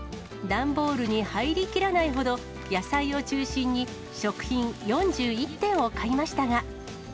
段ボールに入りきらないほど、野菜を中心に食品４１点を買いましたが。